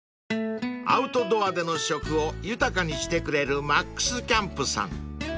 ［アウトドアでの食を豊かにしてくれるＭＡＸＣＡＭＰさん］